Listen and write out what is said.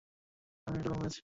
আমি একটা কনফারেন্সে ছিলাম।